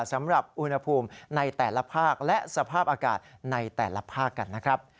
สำหรับอุณหภูมิในแต่ละภาคและสภาพอากาศในแต่ละภาคกันนะครับ